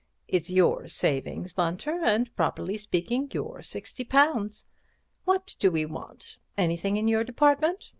It's your saving, Bunter, and properly speaking, your £60. What do we want? Anything in your department?